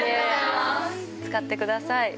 使ってください。